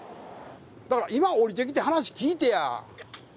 だから、今下りてきて、話聞いてや。